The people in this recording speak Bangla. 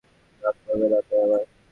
মাপ করবেন, অন্যায় আমার।